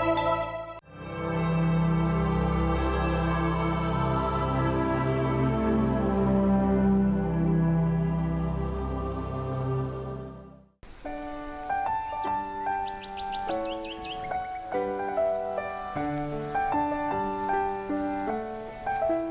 เรือนอก